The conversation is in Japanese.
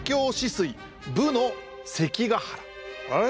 あれ？